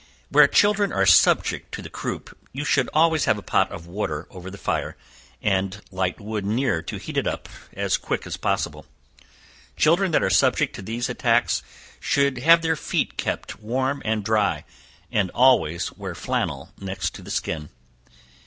Where children are subject to the croup, you should always have a pot of water over the fire, and light wood near, to heat it as quick as possible. Children that are subject to these attacks should have their feet kept warm and dry, and always wear flannel next to the skin.